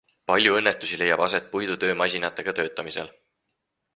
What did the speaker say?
Palju õnnetusi leiab aset puidutöömasinatega töötamisel.